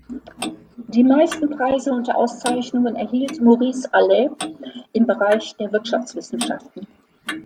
Die meisten Preise und Auszeichnungen erhielt Maurice Allais im Bereich der Wirtschaftswissenschaften.